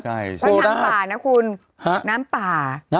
คำต้อนรับผ่านนะคุณ